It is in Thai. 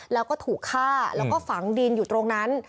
แล้วก็ถูกฆ่าแล้วก็ฝังดินอยู่ตรงนั้น